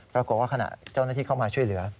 ปรากฏว่าขณะเจ้าหน้าที่เข้ามาช่วยเหลือ